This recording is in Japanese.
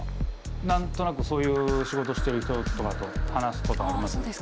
何となくそういう仕事してる人とかと話すことがあります。